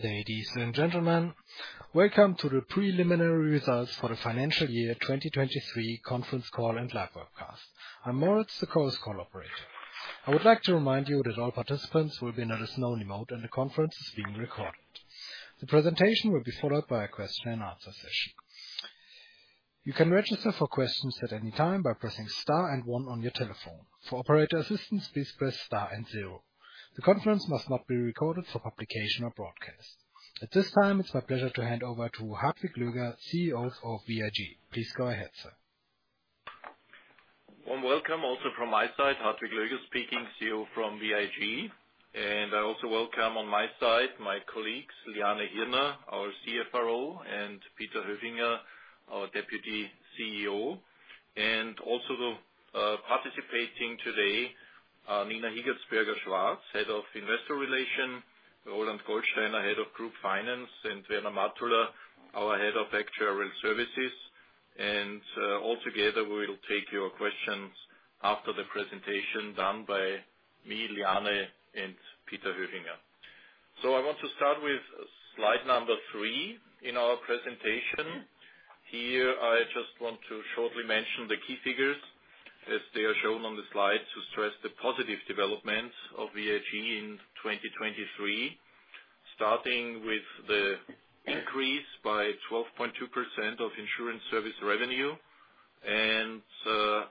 Ladies and gentlemen, welcome to the preliminary results for the financial year 2023 conference call and live webcast. I'm Moritz, the conference operator. I would like to remind you that all participants will be in listen-only mode and the conference is being recorded. The presentation will be followed by a question-and-answer session. You can register for questions at any time by pressing star and one on your telephone. For operator assistance, please press star and zero. The conference must not be recorded for publication or broadcast. At this time, it's my pleasure to hand over to Hartwig Löger, CEO of VIG. Please go ahead, sir. A welcome also from my side. Hartwig Löger speaking, CEO from VIG. I also welcome on my side my colleagues, Liane Hirner, our CFRO, and Peter Höfinger, our Deputy CEO. Also participating today, Nina Higatzberger-Schwarz, head of investor relations, Roland Goldsteiner, head of group finance, and Werner Matula, our head of actuarial services. Altogether, we will take your questions after the presentation done by me, Liane, and Peter Höfinger. So I want to start with slide number three in our presentation. Here, I just want to shortly mention the key figures as they are shown on the slide to stress the positive developments of VIG in 2023, starting with the increase by 12.2% of insurance service revenue.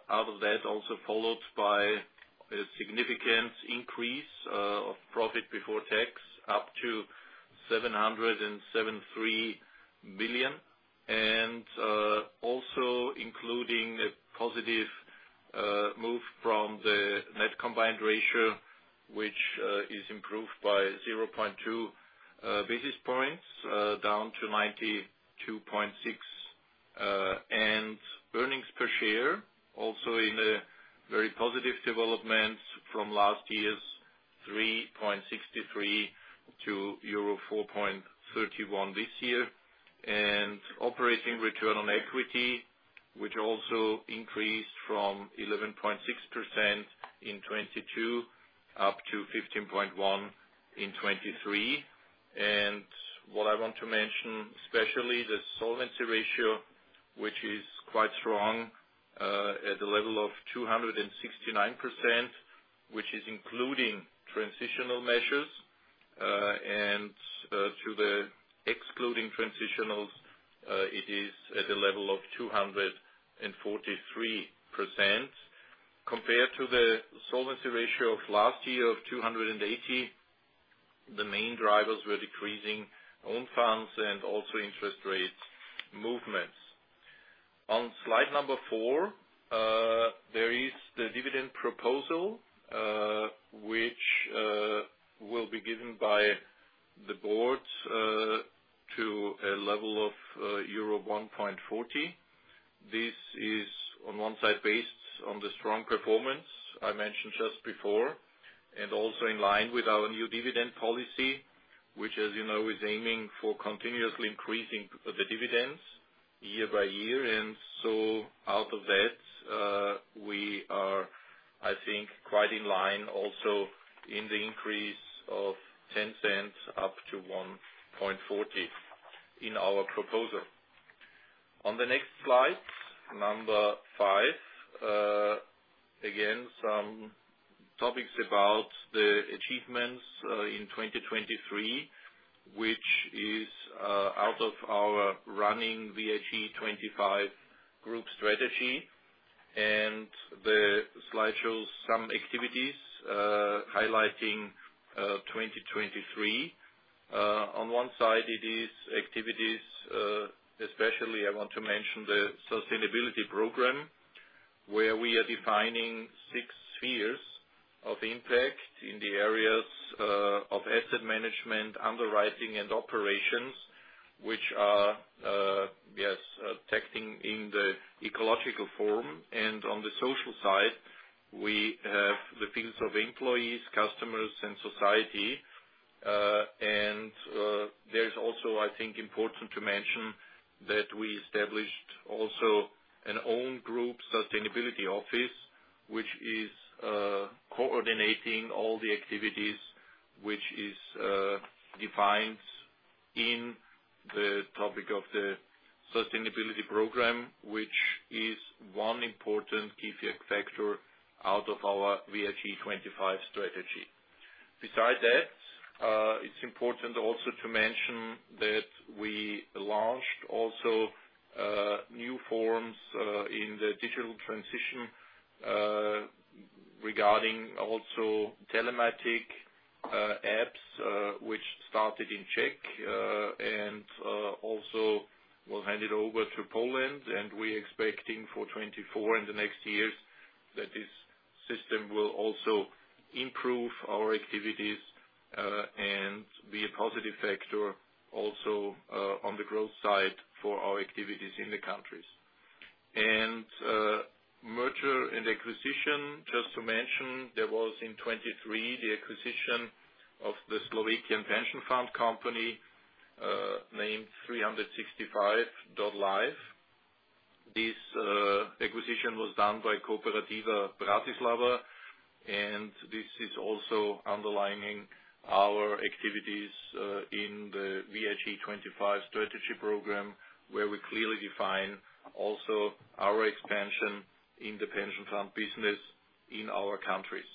Out of that, also followed by a significant increase of profit before tax up to 773 million, and also including a positive move from the net combined ratio, which is improved by 0.2 basis points down to 92.6%. Earnings per share, also in a very positive development from last year's 3.63 to euro 4.31 this year. Operating return on equity, which also increased from 11.6% in 2022 up to 15.1% in 2023. What I want to mention especially, the solvency ratio, which is quite strong at the level of 269%, which is including transitional measures. To the excluding transitionals, it is at the level of 243%. Compared to the solvency ratio of last year of 280%, the main drivers were decreasing own funds and also interest rate movements. On slide 4, there is the dividend proposal, which will be given by the Board to a level of euro 1.40. This is on one side based on the strong performance I mentioned just before and also in line with our new dividend policy, which, as you know, is aiming for continuously increasing the dividends year by year. And so out of that, we are, I think, quite in line also in the increase of 0.10 up to 1.40 in our proposal. On the next slide, 5, again, some topics about the achievements in 2023, which is out of our running VIG 25 group strategy. The slide shows some activities highlighting 2023. On one side, it is activities especially. I want to mention the sustainability program where we are defining six spheres of impact in the areas of asset management, underwriting, and operations, which are, yes, acting in the ecological form. On the social side, we have the fields of employees, customers, and society. There is also, I think, important to mention that we established also an own group sustainability office, which is coordinating all the activities, which is defined in the topic of the sustainability program, which is one important key factor out of our VIG 25 strategy. Besides that, it's important also to mention that we launched also new forms in the digital transition regarding also telematic apps, which started in Czech and also will hand it over to Poland. We're expecting for 2024 and the next years that this system will also improve our activities and be a positive factor also on the growth side for our activities in the countries. Merger and acquisition, just to mention, there was in 2023 the acquisition of the Slovakian pension fund company named 365.life. This acquisition was done by Kooperativa Bratislava. This is also underlining our activities in the VIG 25 strategy program where we clearly define also our expansion in the pension fund business in our countries.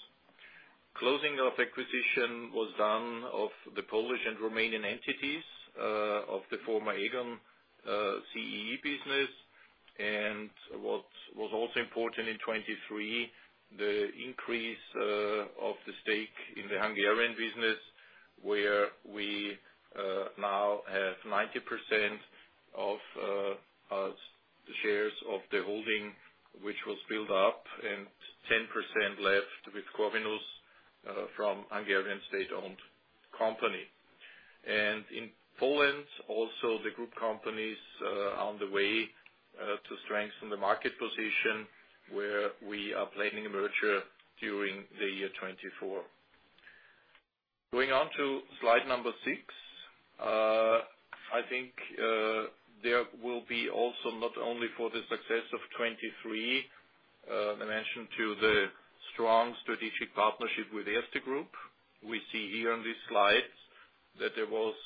Closing of acquisition was done of the Polish and Romanian entities of the former Aegon CEE business. What was also important in 2023, the increase of the stake in the Hungarian business where we now have 90% of the shares of the holding, which was built up, and 10% left with Corvinus from Hungarian state-owned company. In Poland, also, the group company's on the way to strengthen the market position where we are planning a merger during the year 2024. Going on to slide number 6, I think there will be also not only for the success of 2023, I mentioned too, the strong strategic partnership with Erste Group. We see here on this slide that there was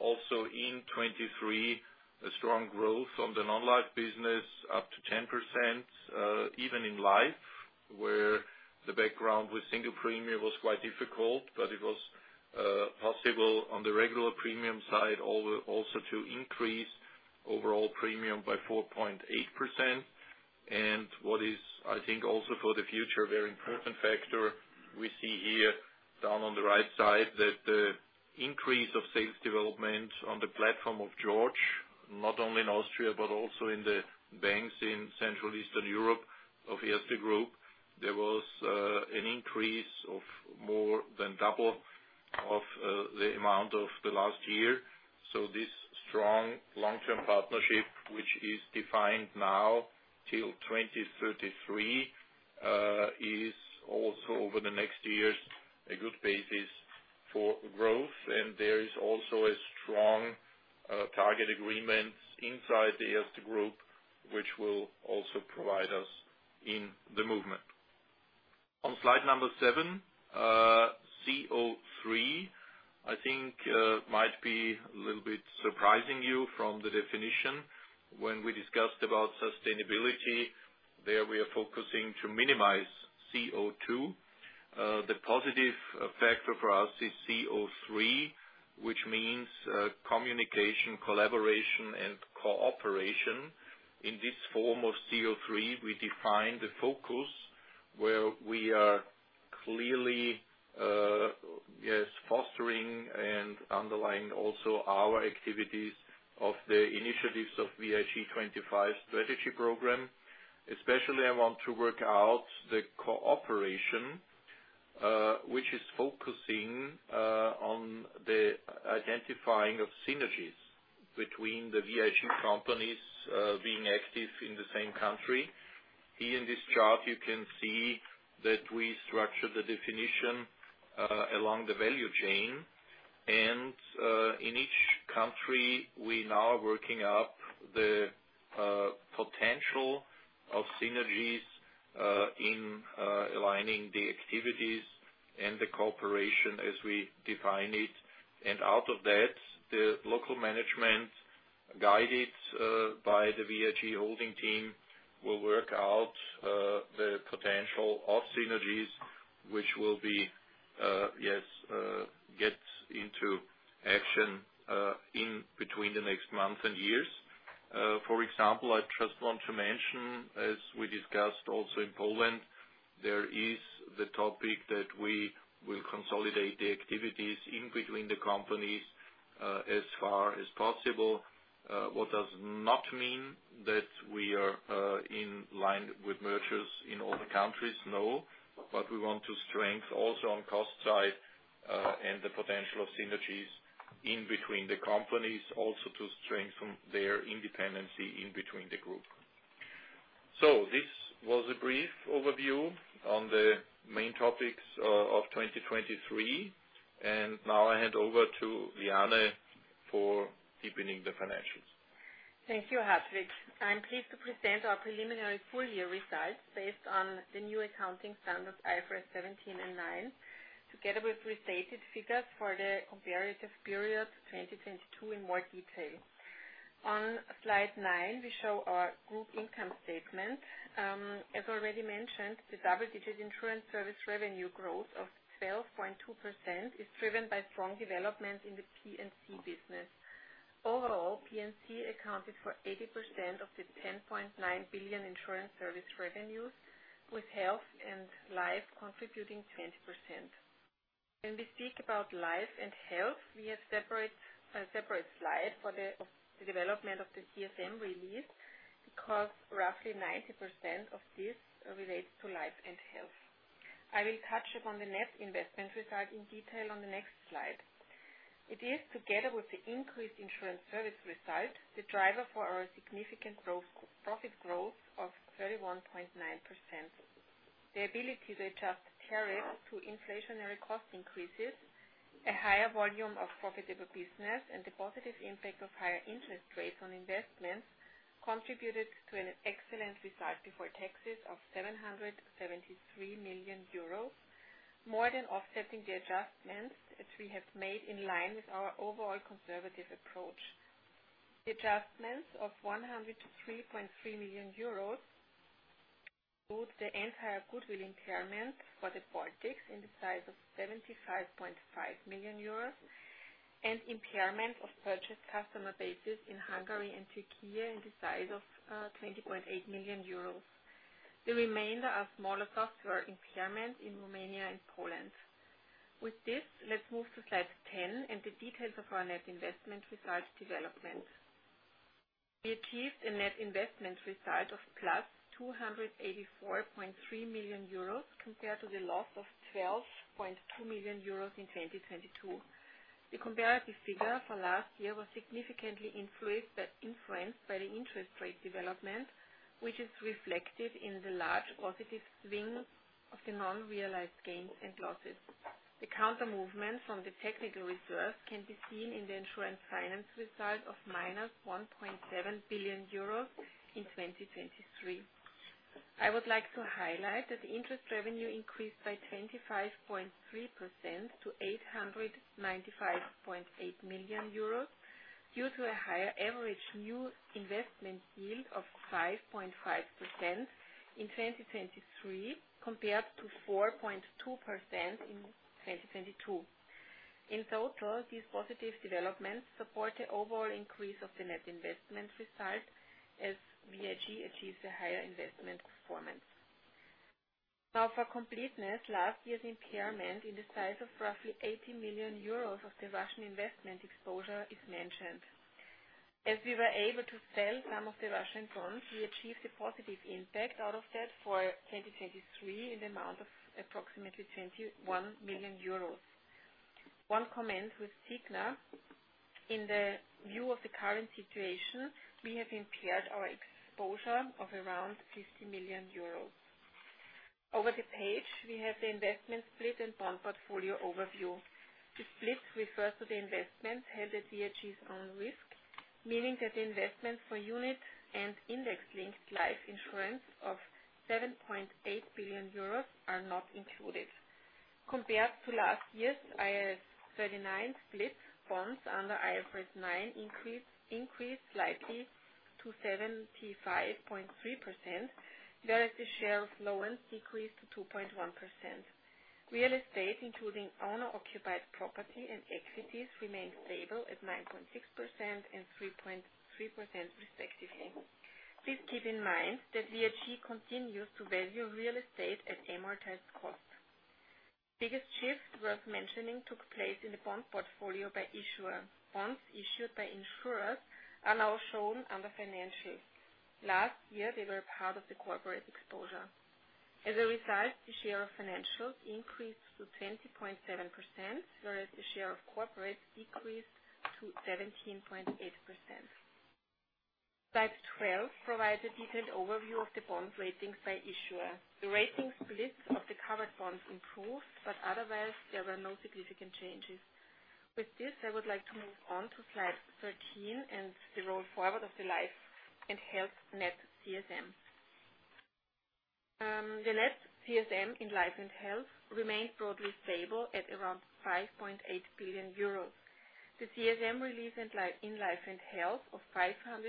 also in 2023 a strong growth on the non-life business up to 10%, even in life, where the background with single premium was quite difficult, but it was possible on the regular premium side also to increase overall premium by 4.8%. What is, I think, also for the future a very important factor, we see here down on the right side that the increase of sales development on the platform of George, not only in Austria but also in the banks in Central Eastern Europe of Erste Group, there was an increase of more than double of the amount of the last year. So this strong long-term partnership, which is defined now till 2033, is also over the next years a good basis for growth. And there is also a strong target agreement inside the Erste Group, which will also provide us in the movement. On slide number 7, CO3, I think might be a little bit surprising you from the definition. When we discussed about sustainability, there we are focusing to minimize CO2. The positive factor for us is CO3, which means communication, collaboration, and cooperation. In this form of CO3, we define the focus where we are clearly, yes, fostering and underlying also our activities of the initiatives of VIG 25 strategy program. Especially, I want to work out the cooperation, which is focusing on the identifying of synergies between the VIG companies being active in the same country. Here in this chart, you can see that we structure the definition along the value chain. In each country, we now are working up the potential of synergies in aligning the activities and the cooperation as we define it. Out of that, the local management guided by the VIG holding team will work out the potential of synergies, which will be, yes, get into action in between the next month and years. For example, I just want to mention, as we discussed also in Poland, there is the topic that we will consolidate the activities in between the companies as far as possible. What does not mean that we are in line with mergers in all the countries, no. But we want to strengthen also on cost side and the potential of synergies in between the companies, also to strengthen their independence in between the group. So this was a brief overview on the main topics of 2023. Now I hand over to Liane for deepening the financials. Thank you, Hartwig. I'm pleased to present our preliminary full year results based on the new accounting standards IFRS 17 and IFRS 9, together with restated figures for the comparative period 2022 in more detail. On slide nine, we show our group income statement. As already mentioned, the double-digit insurance service revenue growth of 12.2% is driven by strong developments in the P&C business. Overall, P&C accounted for 80% of the 10.9 billion insurance service revenues, with health and life contributing 20%. When we speak about life and health, we have separate slides for the development of the CSM release because roughly 90% of this relates to life and health. I will touch upon the net investment result in detail on the next slide. It is, together with the increased insurance service result, the driver for our significant profit growth of 31.9%. The ability to adjust tariffs to inflationary cost increases, a higher volume of profitable business, and the positive impact of higher interest rates on investments contributed to an excellent result before taxes of 773 million euros, more than offsetting the adjustments that we have made in line with our overall conservative approach. The adjustments of 103.3 million euros include the entire goodwill impairment for the Baltics in the size of 75.5 million euros and impairment of purchased customer bases in Hungary and Türkiye in the size of 20.8 million euros. The remainder are smaller software impairments in Romania and Poland. With this, let's move to slide 10 and the details of our net investment result development. We achieved a net investment result of plus 284.3 million euros compared to the loss of 12.2 million euros in 2022. The comparative figure for last year was significantly influenced by the interest rate development, which is reflected in the large positive swing of the non-realized gains and losses. The counter movement from the technical reserves can be seen in the insurance finance result of minus 1.7 billion euros in 2023. I would like to highlight that the interest revenue increased by 25.3% to 895.8 million euros due to a higher average new investment yield of 5.5% in 2023 compared to 4.2% in 2022. In total, these positive developments support the overall increase of the net investment result as VIG achieves a higher investment performance. Now, for completeness, last year's impairment in the size of roughly 80 million euros of the Russian investment exposure is mentioned. As we were able to sell some of the Russian funds, we achieved a positive impact out of that for 2023 in the amount of approximately 21 million euros. One comment with Signa. In the view of the current situation, we have impaired our exposure of around 50 million euros. Over the page, we have the investment split and bond portfolio overview. The split refers to the investments held at VIG's own risk, meaning that the investments for unit and index-linked life insurance of 7.8 billion euros are not included. Compared to last year's IFRS 9 split, bonds under IFRS 9 increased slightly to 75.3%, whereas the share of loans decreased to 2.1%. Real estate, including owner-occupied property and equities, remained stable at 9.6% and 3.3% respectively. Please keep in mind that VIG continues to value real estate at amortized cost. Biggest shift worth mentioning took place in the bond portfolio by issuer. Bonds issued by insurers are now shown under financials. Last year, they were part of the corporate exposure. As a result, the share of financials increased to 20.7%, whereas the share of corporates decreased to 17.8%. Slide 12 provides a detailed overview of the bond ratings by issuer. The rating splits of the covered bonds improved, but otherwise, there were no significant changes. With this, I would like to move on to slide 13 and the roll forward of the life and health net CSM. The net CSM in life and health remained broadly stable at around 5.8 billion euros. The CSM release in life and health of 534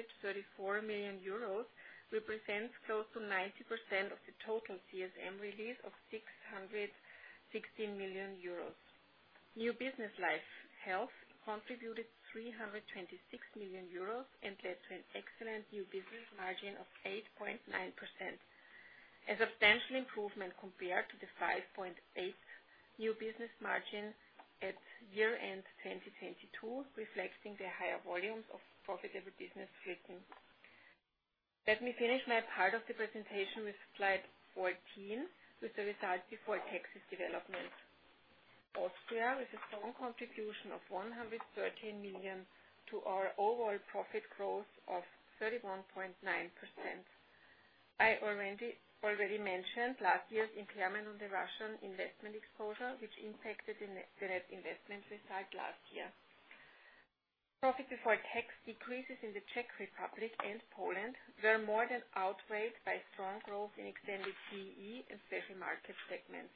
million euros represents close to 90% of the total CSM release of 616 million euros. New business life health contributed 326 million euros and led to an excellent new business margin of 8.9%, a substantial improvement compared to the 5.8% new business margin at year-end 2022, reflecting the higher volumes of profitable business splitting. Let me finish my part of the presentation with slide 14, with the results before taxes development. Austria with a strong contribution of 113 million to our overall profit growth of 31.9%. I already mentioned last year's impairment on the Russian investment exposure, which impacted the net investment result last year. Profit before tax decreases in the Czech Republic and Poland were more than outweighed by strong growth in Extended CEE and special market segments.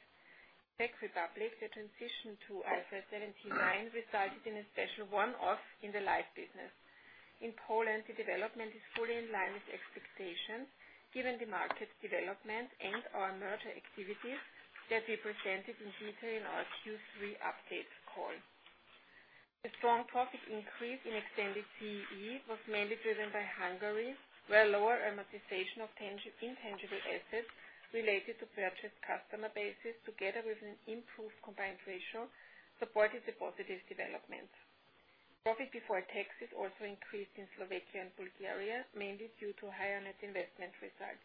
In the Czech Republic, the transition to IFRS 17 resulted in a special one-off in the life business. In Poland, the development is fully in line with expectations given the market development and our merger activities that we presented in detail in our Q3 update call. The strong profit increase in Extended CCE was mainly driven by Hungary, where lower amortization of intangible assets related to purchased customer bases, together with an improved combined ratio, supported the positive development. Profit before taxes also increased in Slovakia and Bulgaria, mainly due to higher net investment results.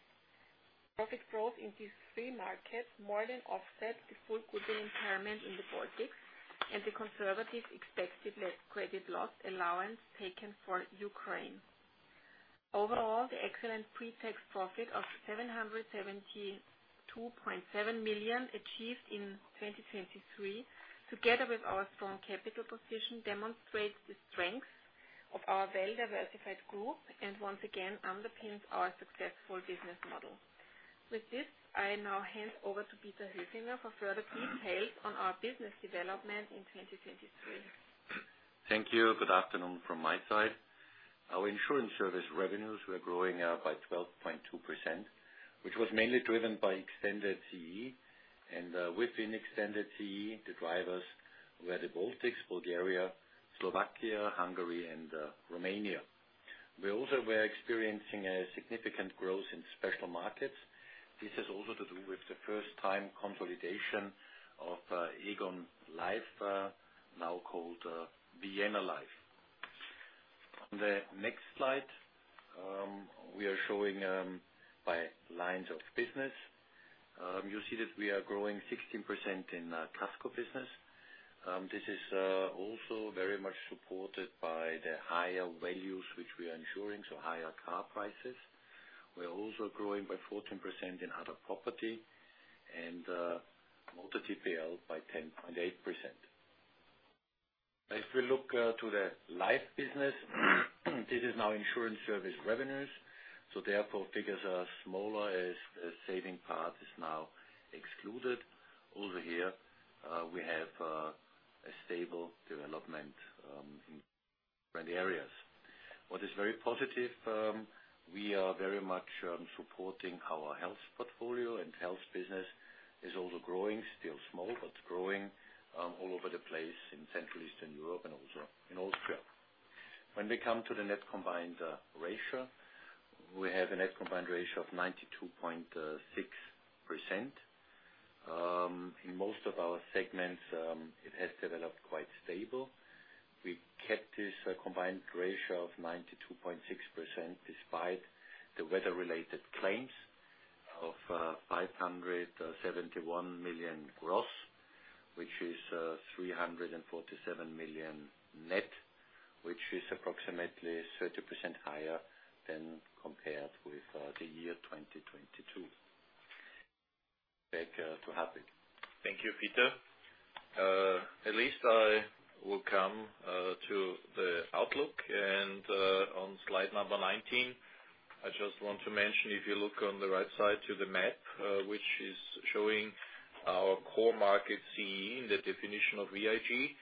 Profit growth in these three markets more than offset the full goodwill impairment in the Baltics and the conservative expected credit loss allowance taken for Ukraine. Overall, the excellent pretax profit of 772.7 million achieved in 2023, together with our strong capital position, demonstrates the strength of our well-diversified group and once again underpins our successful business model. With this, I now hand over to Peter Höfinger for further details on our business development in 2023. Thank you. Good afternoon from my side. Our insurance service revenues were growing by 12.2%, which was mainly driven by Extended CEE. And within Extended CEE, the drivers were the Baltics, Bulgaria, Slovakia, Hungary, and Romania. We also were experiencing a significant growth in Special Markets. This has also to do with the first-time consolidation of Aegon Life, now called Vienna Life. On the next slide, we are showing by lines of business. You see that we are growing 16% in Casco business. This is also very much supported by the higher values which we are insuring, so higher car prices. We are also growing by 14% in other property and Motor TPL by 10.8%. If we look to the life business, this is now insurance service revenues. So therefore, figures are smaller as the saving part is now excluded. Over here, we have a stable development in different areas. What is very positive, we are very much supporting our health portfolio, and health business is also growing, still small, but growing all over the place in Central Eastern Europe and also in Austria. When we come to the net combined ratio, we have a net combined ratio of 92.6%. In most of our segments, it has developed quite stable. We kept this combined ratio of 92.6% despite the weather-related claims of 571 million gross, which is 347 million net, which is approximately 30% higher than compared with the year 2022. Back to Hartwig. Thank you, Peter. At least I will come to the outlook. And on slide number 19, I just want to mention, if you look on the right side to the map, which is showing our core market CE in the definition of VIG,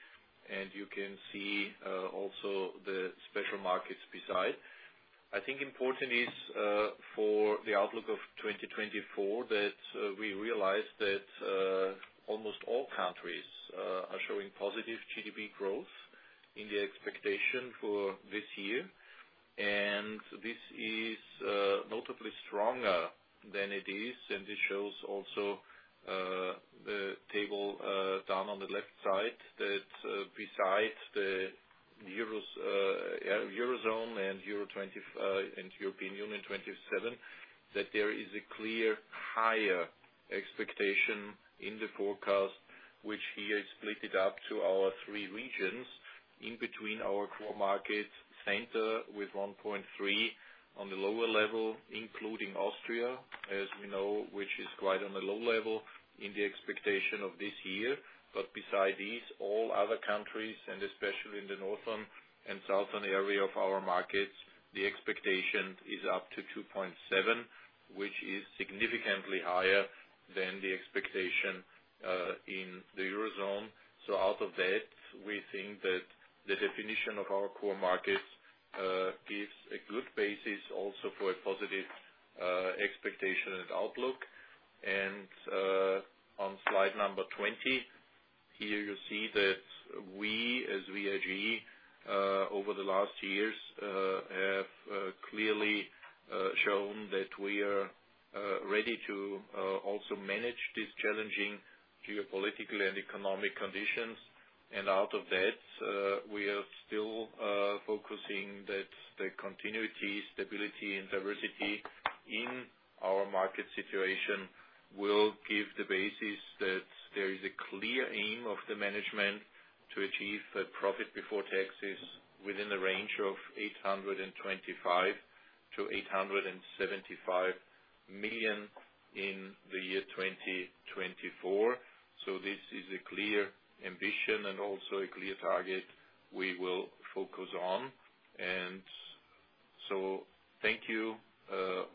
and you can see also the Special Markets beside. I think important is for the outlook of 2024 that we realize that almost all countries are showing positive GDP growth in the expectation for this year. And this is notably stronger than it is. This shows also the table down on the left side that besides the Eurozone and European Union 27, that there is a clearly higher expectation in the forecast, which here is split up to our three regions in between our core market center with 1.3 on the lower level, including Austria, as we know, which is quite on a low level in the expectation of this year. But beside these, all other countries, and especially in the northern and southern area of our markets, the expectation is up to 2.7, which is significantly higher than the expectation in the Eurozone. So out of that, we think that the definition of our core markets gives a good basis also for a positive expectation and outlook. On slide number 20, here, you see that we, as VIG, over the last years have clearly shown that we are ready to also manage these challenging geopolitical and economic conditions. Out of that, we are still focusing that the continuity, stability, and diversity in our market situation will give the basis that there is a clear aim of the management to achieve profit before taxes within the range of 825 million-875 million in the year 2024. This is a clear ambition and also a clear target we will focus on. So thank you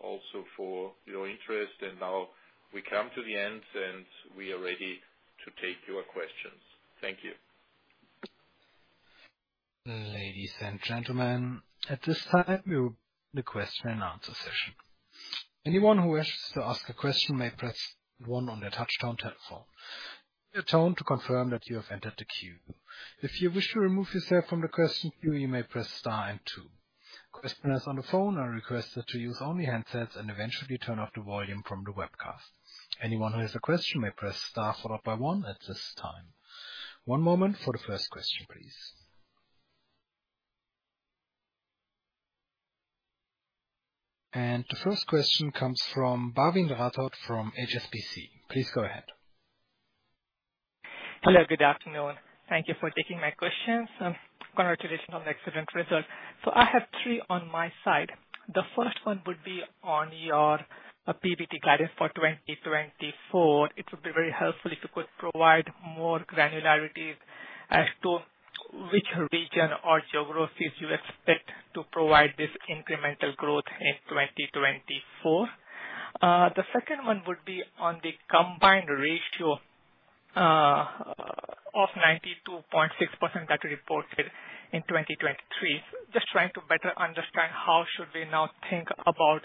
also for your interest. Now we come to the end, and we are ready to take your questions. Thank you. Ladies and gentlemen, at this time, we will begin the question-and-answer session. Anyone who wishes to ask a question may press one on their touch-tone telephone. You will hear a tone to confirm that you have entered the queue. If you wish to remove yourself from the question queue, you may press star and two. Questioners on the phone are requested to use only handsets and turn off the volume on the webcast. Anyone who has a question may press star followed by one at this time. One moment for the first question, please. The first question comes from Bhavin Rathod from HSBC. Please go ahead. Hello. Good afternoon. Thank you for taking my questions. Congratulations on the excellent result. So I have three on my side. The first one would be on your PBT guidance for 2024. It would be very helpful if you could provide more granularity as to which region or geographies you expect to provide this incremental growth in 2024. The second one would be on the combined ratio of 92.6% that reported in 2023. Just trying to better understand how should we now think about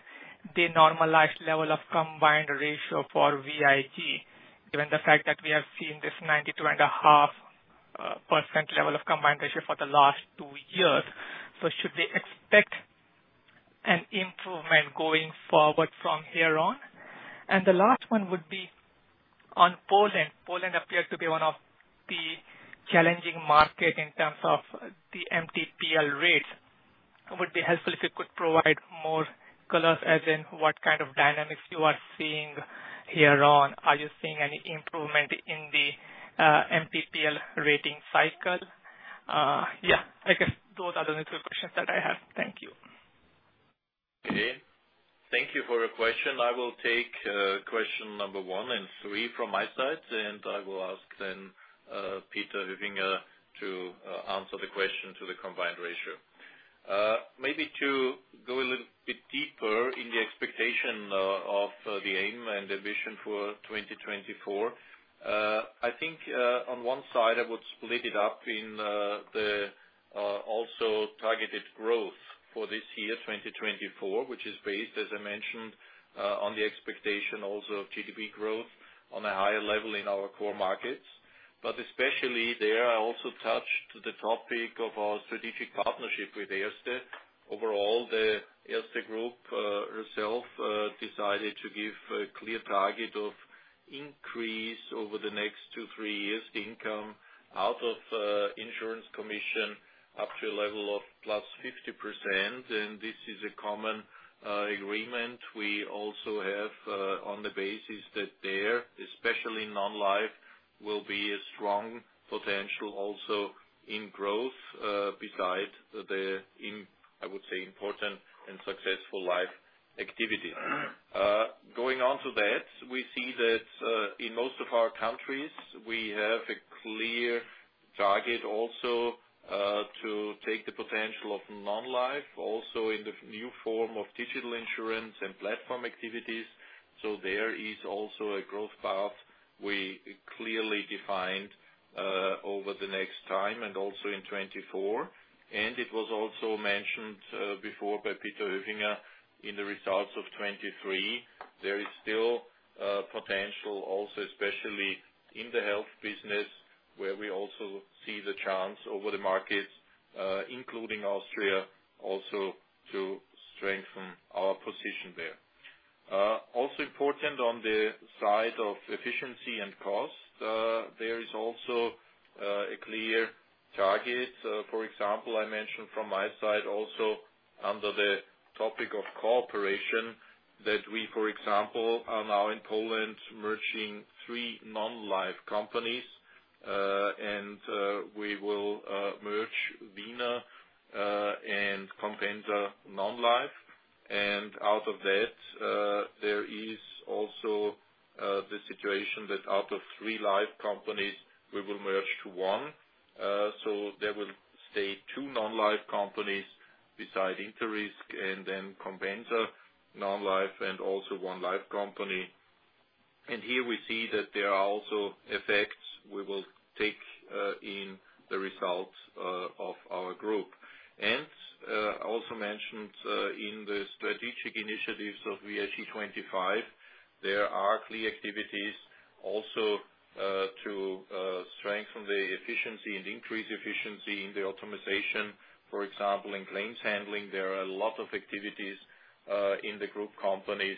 the normalized level of combined ratio for VIG, given the fact that we have seen this 92.5% level of combined ratio for the last two years. So should we expect an improvement going forward from here on? And the last one would be on Poland. Poland appeared to be one of the challenging markets in terms of the MTPL rates. It would be helpful if you could provide more colors, as in what kind of dynamics you are seeing here on. Are you seeing any improvement in the MTPL rating cycle? Yeah. I guess those are the only two questions that I have. Thank you. Okay. Thank you for your question. I will take question number 1 and 3 from my side, and I will ask then Peter Höfinger to answer the question to the combined ratio. Maybe to go a little bit deeper in the expectation of the aim and the vision for 2024, I think on one side, I would split it up in the also targeted growth for this year, 2024, which is based, as I mentioned, on the expectation also of GDP growth on a higher level in our core markets. But especially there, I also touched the topic of our strategic partnership with Erste. Overall, the Erste Group herself decided to give a clear target of increase over the next two, three years, the income out of insurance commission up to a level of +50%. And this is a common agreement we also have on the basis that there, especially non-life, will be a strong potential also in growth beside the, I would say, important and successful life activities. Going on to that, we see that in most of our countries, we have a clear target also to take the potential of non-life, also in the new form of digital insurance and platform activities. So there is also a growth path we clearly defined over the next time and also in 2024. And it was also mentioned before by Peter Höfinger in the results of 2023. There is still potential also, especially in the health business, where we also see the chance over the markets, including Austria, also to strengthen our position there. Also important on the side of efficiency and cost, there is also a clear target. For example, I mentioned from my side also under the topic of cooperation that we, for example, are now in Poland merging three non-life companies. We will merge Vienna and Compensa non-life. Out of that, there is also the situation that out of three life companies, we will merge to one. So there will stay two non-life companies beside InterRisk and then Compensa non-life and also one life company. Here, we see that there are also effects we will take in the results of our group. I also mentioned in the strategic initiatives of VIG 25, there are key activities also to strengthen the efficiency and increase efficiency in the automation. For example, in claims handling, there are a lot of activities in the group companies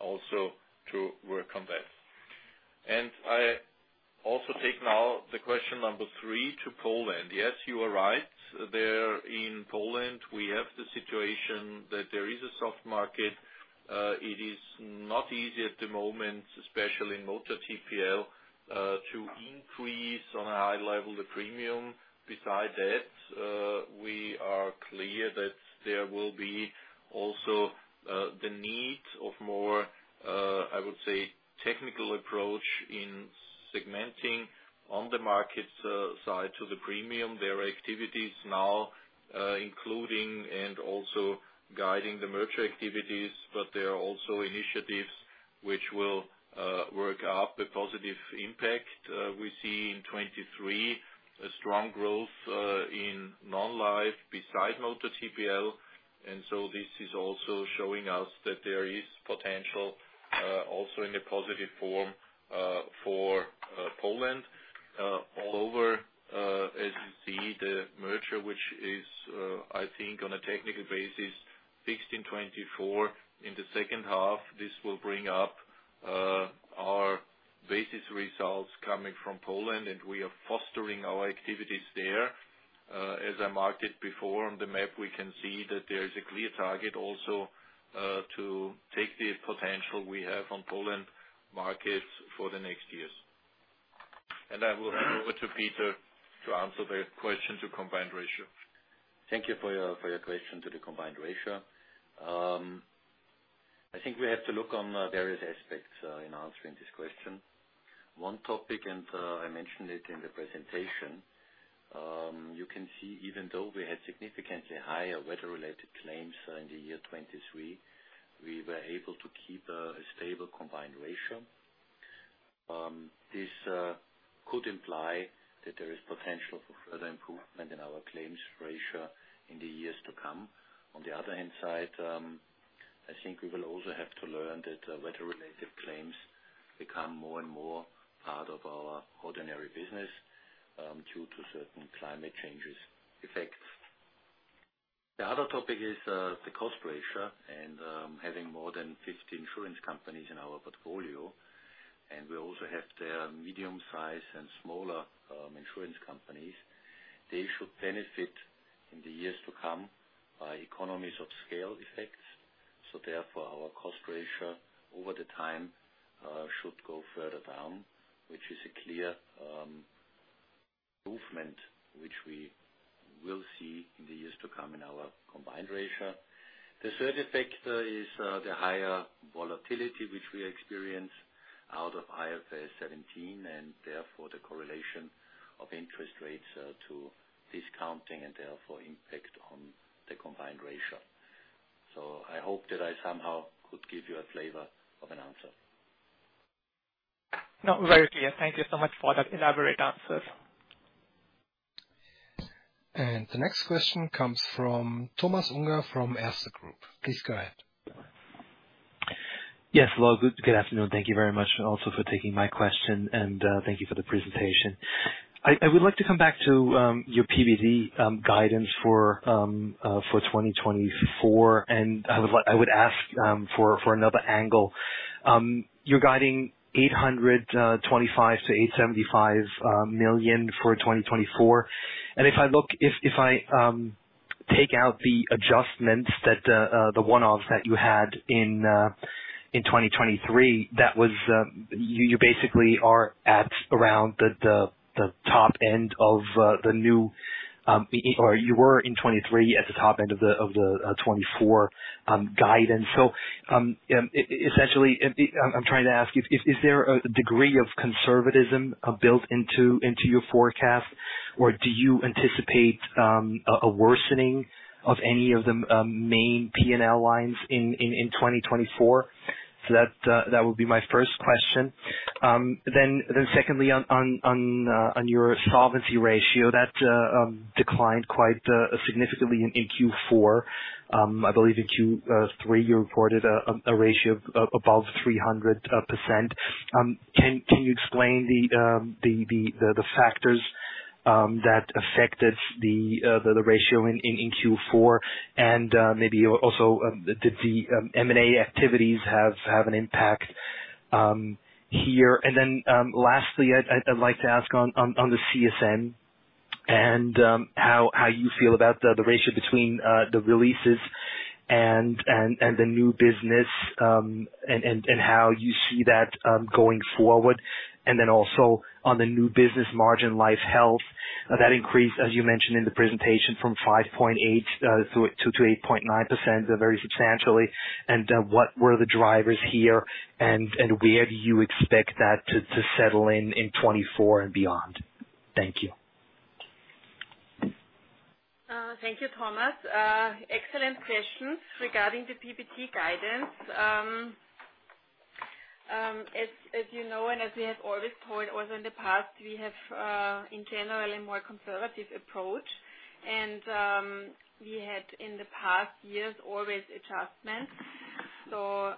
also to work on that. I also take now the question number three to Poland. Yes, you are right. There in Poland, we have the situation that there is a soft market. It is not easy at the moment, especially in Motor TPL, to increase on a high level the premium. Besides that, we are clear that there will be also the need of more, I would say, technical approach in segmenting on the market side to the premium. There are activities now including and also guiding the merger activities. But there are also initiatives which will work up a positive impact. We see in 2023 a strong growth in non-life beside Motor TPL. And so this is also showing us that there is potential also in a positive form for Poland. All over, as you see, the merger, which is, I think, on a technical basis, fixed in 2024, in the second half, this will bring up our basis results coming from Poland. We are fostering our activities there. As I marked it before on the map, we can see that there is a clear target also to take the potential we have on Poland markets for the next years. I will hand over to Peter to answer the question to combined ratio. Thank you for your question to the combined ratio. I think we have to look on various aspects in answering this question. One topic, and I mentioned it in the presentation, you can see even though we had significantly higher weather-related claims in the year 2023, we were able to keep a stable combined ratio. This could imply that there is potential for further improvement in our claims ratio in the years to come. On the other hand side, I think we will also have to learn that weather-related claims become more and more part of our ordinary business due to certain climate changes effects. The other topic is the cost ratio. And having more than 50 insurance companies in our portfolio, and we also have their medium-size and smaller insurance companies, they should benefit in the years to come by economies of scale effects. So therefore, our cost ratio over the time should go further down, which is a clear improvement which we will see in the years to come in our combined ratio. The third effect is the higher volatility which we experience out of IFRS 17 and therefore the correlation of interest rates to discounting and therefore impact on the combined ratio. So I hope that I somehow could give you a flavor of an answer. No, very clear. Thank you so much for that elaborate answer. The next question comes from Thomas Unger from Erste Group. Please go ahead. Yes. Well, good afternoon. Thank you very much also for taking my question. Thank you for the presentation. I would like to come back to your PBT guidance for 2024. I would ask for another angle. You're guiding 825 million-875 million for 2024. And if I look if I take out the adjustments that the one-offs that you had in 2023, that was you basically are at around the top end of the new or you were in 2023 at the top end of the 2024 guidance. So essentially, I'm trying to ask, is there a degree of conservatism built into your forecast, or do you anticipate a worsening of any of the main P&L lines in 2024? So that would be my first question. Then secondly, on your solvency ratio, that declined quite significantly in Q4. I believe in Q3, you reported a ratio above 300%. Can you explain the factors that affected the ratio in Q4? And maybe also, did the M&A activities have an impact here? And then lastly, I'd like to ask on the CSM and how you feel about the ratio between the releases and the new business and how you see that going forward. And then also on the new business margin, life health, that increased, as you mentioned in the presentation, from 5.8%-8.9%, very substantially. And what were the drivers here, and where do you expect that to settle in in 2024 and beyond? Thank you. Thank you, Thomas. Excellent questions regarding the PBT guidance. As you know and as we have always told also in the past, we have, in general, a more conservative approach. We had, in the past years, always adjustments. So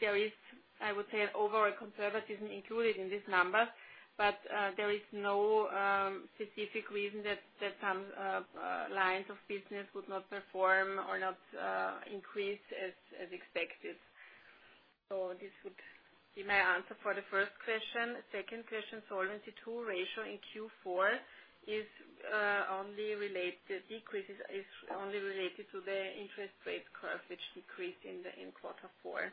there is, I would say, an overall conservatism included in these numbers. But there is no specific reason that some lines of business would not perform or not increase as expected. So this would be my answer for the first question. Second question, the solvency ratio in Q4, the decreases are only related to the interest rate curve, which decreased in quarter four.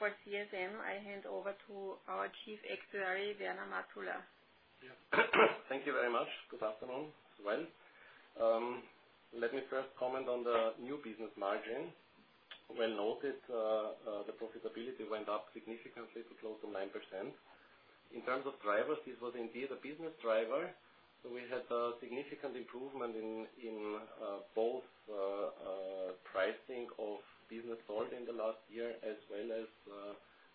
For CSM, I hand over to our Chief Actuary, Werner Matula. Yeah. Thank you very much. Good afternoon as well. Let me first comment on the new business margin. Well noted, the profitability went up significantly to close to 9%. In terms of drivers, this was indeed a business driver. So we had significant improvement in both pricing of business sold in the last year as well as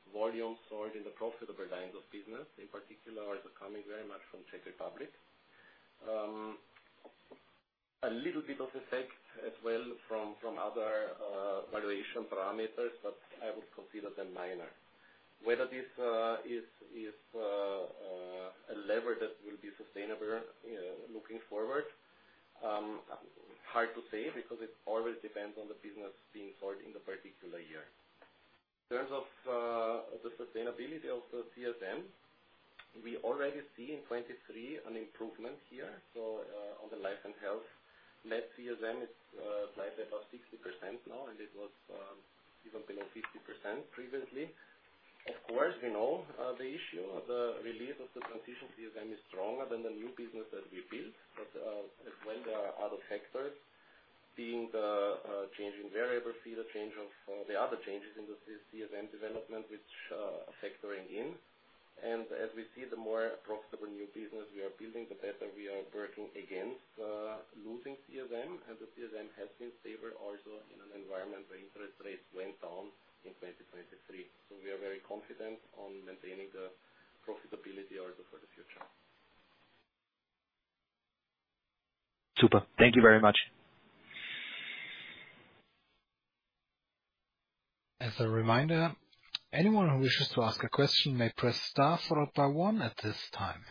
volume sold in the profitable lines of business. In particular, also coming very much from Czech Republic. A little bit of effect as well from other valuation parameters, but I would consider them minor. Whether this is a lever that will be sustainable looking forward, hard to say because it always depends on the business being sold in the particular year. In terms of the sustainability of the CSM, we already see in 2023 an improvement here. So on the life and health, net CSM, it's slightly above 60% now, and it was even below 50% previously. Of course, we know the issue. The release of the transition CSM is stronger than the new business that we built. But as well, there are other factors being the changing variable fee, the change of the other changes in the CSM development, which are factoring in. And as we see, the more profitable new business we are building, the better we are working against losing CSM. And the CSM has been stable also in an environment where interest rates went down in 2023. So we are very confident on maintaining the profitability also for the future. Super. Thank you very much. As a reminder, anyone who wishes to ask a question may press star followed by one at this time.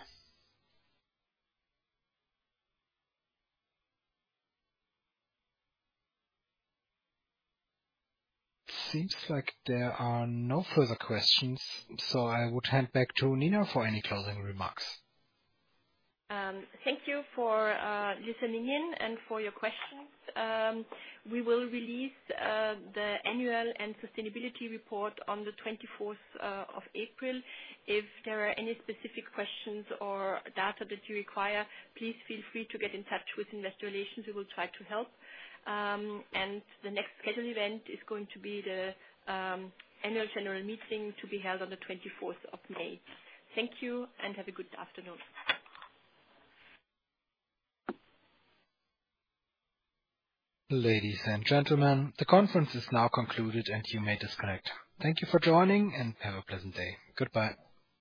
It seems like there are no further questions. I would hand back to Nina for any closing remarks. Thank you for listening in and for your questions. We will release the annual and sustainability report on the 24th of April. If there are any specific questions or data that you require, please feel free to get in touch with investor relations. We will try to help. The next scheduled event is going to be the annual general meeting to be held on the 24th of May. Thank you, and have a good afternoon. Ladies and gentlemen, the conference is now concluded, and you may disconnect. Thank you for joining, and have a pleasant day. Goodbye.